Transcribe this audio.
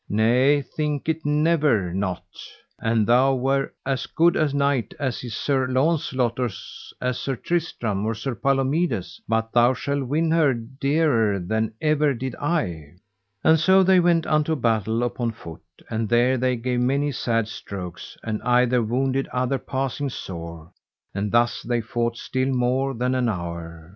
nay, think it never not; an thou were as good a knight as is Sir Launcelot, or as is Sir Tristram, or Sir Palomides, but thou shalt win her dearer than ever did I. And so they went unto battle upon foot, and there they gave many sad strokes, and either wounded other passing sore, and thus they fought still more than an hour.